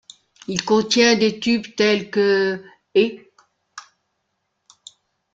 Il contient des tubes tels que ',' et '.